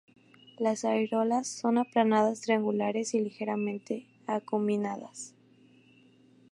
Las areolas son aplanadas, triangulares y ligeramente acuminadas.